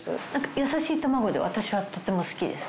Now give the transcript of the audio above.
優しいたまごで私はとても好きです。